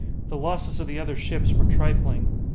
The losses of the other ships were trifling.